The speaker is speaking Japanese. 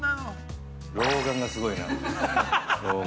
◆老眼がすごいな。